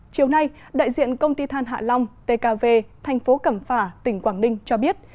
chiều nay đại diện công ty than hạ long tkv thành phố cẩm phả tỉnh quảng ninh cho biết